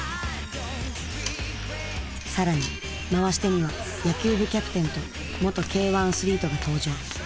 更に回し手には野球部キャプテンと元Ｋ‐１アスリートが登場。